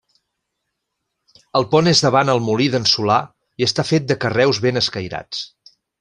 El pont és davant el Molí d'en Solà i està fet de carreus ben escairats.